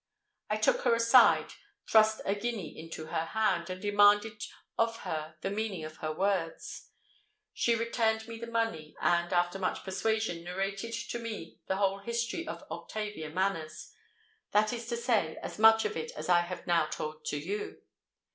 I took her aside, thrust a guinea into her hand, and demanded of her the meaning of her words. She returned me the money, and, after much persuasion, narrated to me the whole history of Octavia Manners—that is to say, as much of it as I have now told to you.